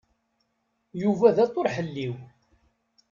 Yuba d aṭuṛhelliw.